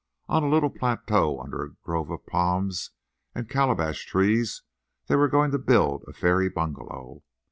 On a little plateau under a grove of palms and calabash trees they were going to build a fairy bungalow.